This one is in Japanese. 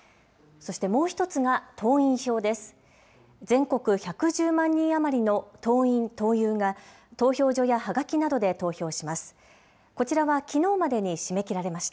そしてもう一つが、党員票です。